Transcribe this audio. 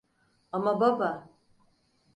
Ama baba!